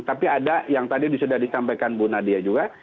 tapi ada yang tadi sudah disampaikan bu nadia juga